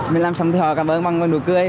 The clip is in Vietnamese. mình làm xong thì họ cảm ơn bằng nụ cười